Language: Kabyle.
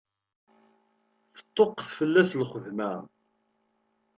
Teṭṭuqqet fell-as lxedma.